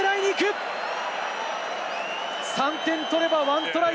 ３点取れば１トライ